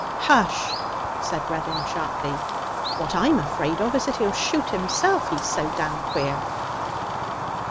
'Hush!' said Reddin sharply. 'What I'm afraid of is that he'll shoot himself, he's so damned queer.'